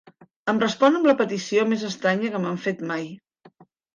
Em respon amb la petició més estranya que m'han fet mai.